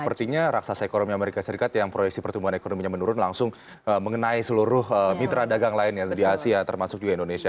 sepertinya raksasa ekonomi amerika serikat yang proyeksi pertumbuhan ekonominya menurun langsung mengenai seluruh mitra dagang lainnya di asia termasuk juga indonesia